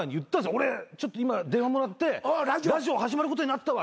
俺ちょっと今電話もらってラジオ始まることになったわ。